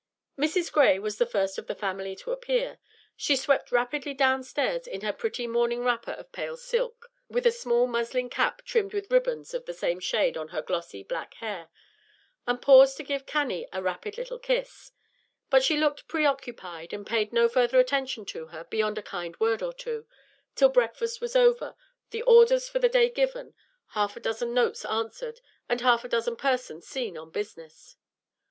Mrs. Gray was the first of the family to appear. She swept rapidly downstairs in her pretty morning wrapper of pale pink, with a small muslin cap trimmed with ribbons of the same shade on her glossy black hair, and paused to give Cannie a rapid little kiss; but she looked preoccupied, and paid no further attention to her, beyond a kind word or two, till breakfast was over, the orders for the day given, half a dozen notes answered, and half a dozen persons seen on business.